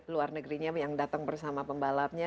luar negerinya yang datang bersama pembalapnya